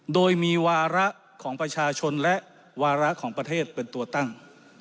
โดยมีวาระของประชาชนและวาระของประเทศเป็นตัวตั้ง